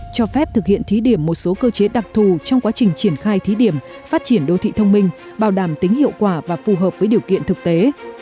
cho phép thực hiện thí điểm một số cơ chế đặc thù trong quá trình triển khai thí điểm phát triển đô thị thông minh bảo đảm tính hiệu quả và phù hợp với điều kiện thực tế